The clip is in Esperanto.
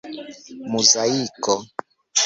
muzaiko